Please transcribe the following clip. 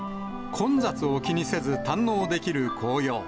混雑を気にせず堪能できる紅葉。